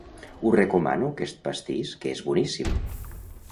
Us recomano aquest pastís que és boníssim.